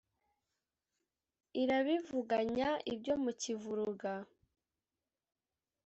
Irabivuganya ibyo mu Kivuruga